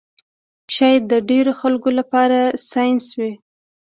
شاید د ډېرو خلکو لپاره ساینس وي